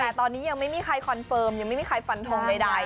แต่ตอนนี้ยังไม่มีใครคอนเฟิร์มยังไม่มีใครฟันทงใด